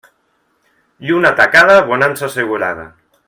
Lluna tacada, bonança assegurada.